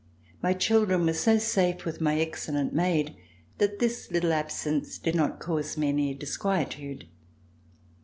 My children were so safe with my excellent maid, that this little absence did not cause me any disquietude.